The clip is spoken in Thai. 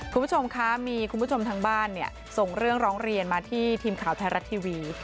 คุณผู้ชมคะมีคุณผู้ชมทางบ้านเนี่ยส่งเรื่องร้องเรียนมาที่ทีมข่าวไทยรัฐทีวี